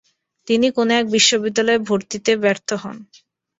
তিনি কোন এক বিশ্ববিদ্যালয়ে ভর্তিতে ব্যর্থ হন।